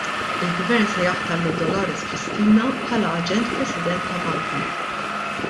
Il-Gvern se jaħtar lil Dolores Cristina bħala Aġent President ta' Malta.